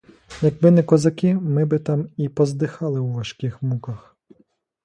Якби не козаки, ми би там і поздихали у важких муках.